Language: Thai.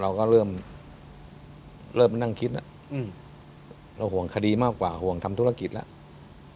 เราก็เริ่มคิดเราห่วงคดีมากกว่าห่วงทำธุรกิจแล้ว